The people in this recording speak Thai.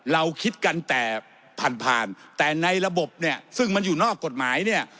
เราคิดกันแต่ผ่านผ่านแต่ในระบบเนี่ยซึ่งมันอยู่นอกกฎหมายเนี่ย